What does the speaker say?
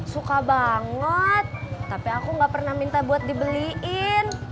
suka banget tapi aku gak pernah minta buat dibeliin